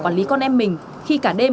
quản lý con em mình khi cả đêm